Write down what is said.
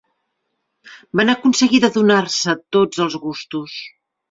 Van aconseguir de donar-se tots els gustos.